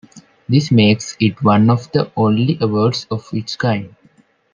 This makes it one of the only awards of its kind.